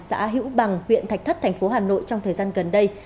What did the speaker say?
xã hữu bằng huyện thạch thất tp hà nội trong thời gian gần đây